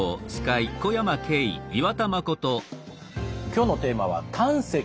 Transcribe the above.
今日のテーマは胆石。